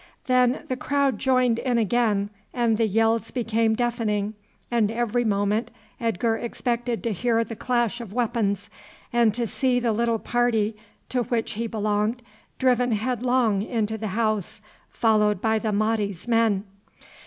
Then the crowd joined in again and the yells became deafening, and every moment Edgar expected to hear the clash of weapons, and to see the little party to which he belonged driven headlong into the house followed by the Mahdi's men.